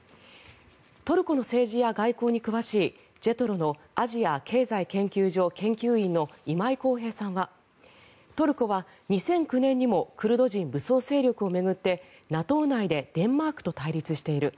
トルコの政治や外交に詳しいＪＥＴＲＯのアジア経済研究所研究員の今井宏平さんはトルコは２００９年にもクルド人武装勢力を巡ってＮＡＴＯ内でデンマークと対立している。